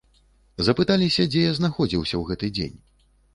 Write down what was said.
Запыталіся, дзе я знаходзіўся ў гэты дзень.